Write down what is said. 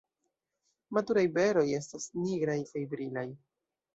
Maturaj beroj estas nigraj kaj brilaj.